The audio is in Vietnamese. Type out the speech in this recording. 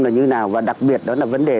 là như nào và đặc biệt đó là vấn đề